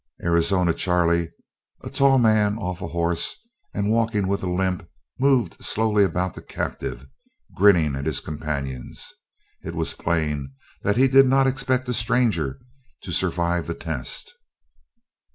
Arizona Charley, a tall man off a horse and walking with a limp, moved slowly about the captive, grinning at his companions. It was plain that he did not expect the stranger to survive the test.